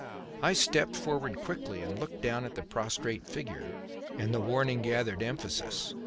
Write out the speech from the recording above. I stepped forward quickly and looked down at the prostrate figure, and the warning gathered emphasis.